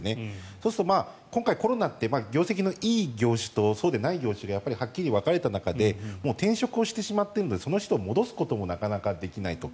そうすると、今回コロナって業績がいい業種とそうでない業種がはっきり分かれている中でもう転職してしまっているのでその人を戻すこともなかなかできないと。